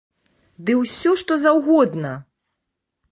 Ды ўсё што заўгодна!